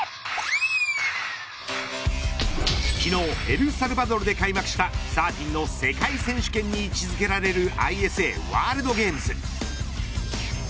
昨日エルサルバドルで開幕したサーフィンの世界選手権に位置付けられるＩＳＡワールドゲームズ。